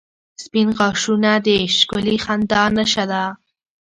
• سپین غاښونه د ښکلي خندا نښه ده.